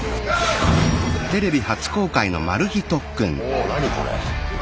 お何これ。